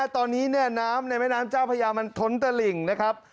ตอนนี้น้ำในแม่น้ำเจ้าพญามันท้นตะหลิ่งนะครับ